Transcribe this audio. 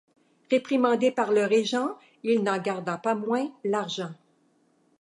Réprimandé par le Régent, il n'en garda pas moins l'argent.